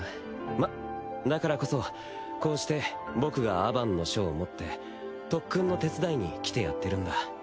まっだからこそこうして僕がアバンの書を持って特訓の手伝いに来てやってるんだ。